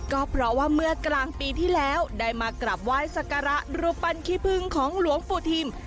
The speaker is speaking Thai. ก็เพราะว่าเมื่อกลางปีที่แล้วได้มากลับไหว้ศักรรณ์รุปัญคิพึงของหลวงฝุทิม